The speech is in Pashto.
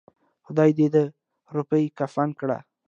خداى دې دا روپۍ کفن کړه.